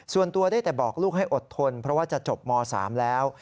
ส่วนตัวได้แต่บอกลูกให้อดทนเพราะว่าจะจบม๓แล้ว